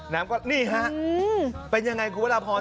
น้ำก็นี่ฮะเป็นอย่างไรครับคุณพระราบฮร์น